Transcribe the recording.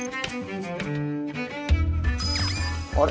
あれ？